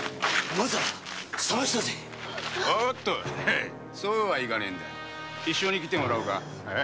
おっとそうはいかねえ一緒に来てもらおうか。